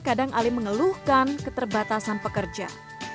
kadang alim mengeluhkan keterbatasan pekerja